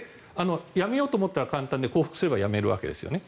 やめようと思ったら簡単で降伏すればやめられるわけですね。